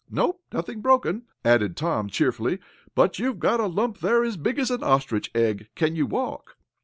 "No, nothing broken," added Tom, cheerfully, "but you've got a lump there as big as an ostrich egg. Can you walk?"